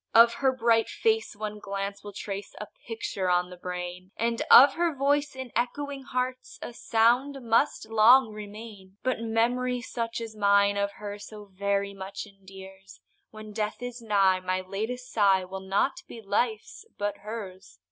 Of her bright face one glance will trace A picture on the brain, And of her voice in echoing hearts A sound must long remain; But memory, such as mine of her, So very much endears, When death is nigh my latest sigh Will not be life's, but hers.